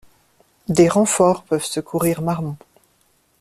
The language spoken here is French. Des renforts peuvent secourir Marmont.